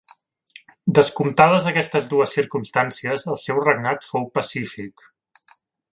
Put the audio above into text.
Descomptades aquestes dues circumstàncies el seu regnat fou pacífic.